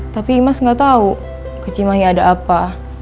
tapi imas gak tau keci mahi ada apa